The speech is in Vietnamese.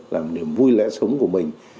làm niềm vui lẽ sống của mình